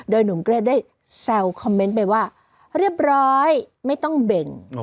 โดยหนุ่มเกรทได้แซวคอมเมนต์ไปว่าเรียบร้อยไม่ต้องเบ่ง